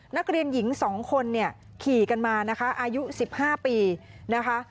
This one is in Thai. นักเรียนหญิง๒คนเนี่ยขี่กันมานะคะอายุ๑๕ปีนะคะ